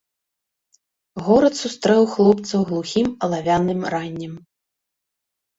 Горад сустрэў хлопцаў глухім алавяным раннем.